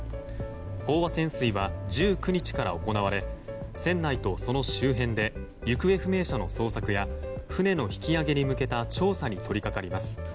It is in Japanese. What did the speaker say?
飽和潜水は１９日から行われ船内と、その周辺で行方不明者の捜索や船の引き揚げに向けた調査に取り掛かります。